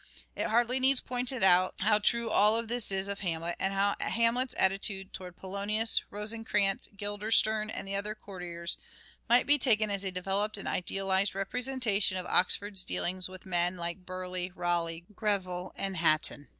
It hardly needs pointing out how true all this is of Hamlet, and how Hamlet's attitude towards Polonius, Rosencrantz, Guilderstern and the other courtiers might be taken as a developed and idealized representa tion of Oxford's dealings with men like Burleigh, Raleigh, Greville and Hatton.